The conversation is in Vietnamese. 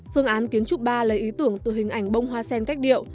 phương án kiến trúc ba lấy ý tưởng từ hình ảnh bông hoa sen cách điệu